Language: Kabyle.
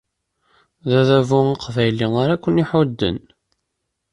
D adabu aqbayli ara kem-iḥudden.